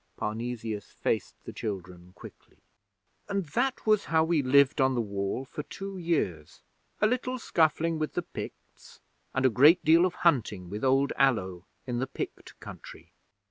Parnesius faced the children quickly. 'And that was how we lived on the Wall for two years a little scuffling with the Picts, and a great deal of hunting with old Allo in the Pict country.